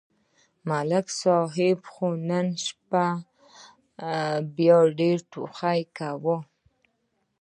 ملک صاحب خو نن شپه بیا ډېر ټوخ ټوخ کاوه